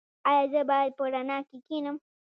ایا زه باید په رڼا کې کینم؟